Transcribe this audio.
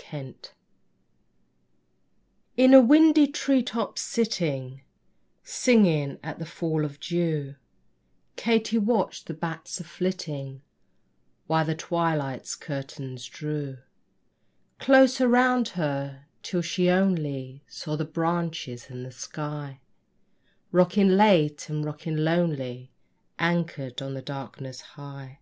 KATY DID In a windy tree top sitting, Singing at the fall of dew, Katy watched the bats a flitting, While the twilight's curtains drew Closer round her; till she only Saw the branches and the sky Rocking late and rocking lonely, Anchored on the darkness high.